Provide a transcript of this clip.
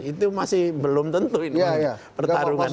itu masih belum tentu ini pertarungan